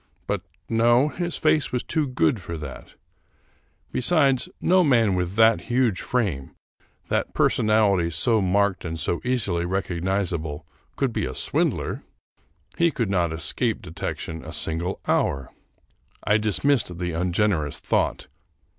But no, his face was too good for that ; besides, no man with that huge frame, that personality so marked and so easily rec ognizable, could be a swindler; he could not escape detec tion a single hour. I dismissed the ungenerous thought.